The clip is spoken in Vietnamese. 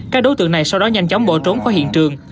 các đối tượng này sau đó nhanh chóng bỏ trốn khỏi hiện trường